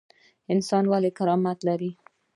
انسان ولې کرامت لري؟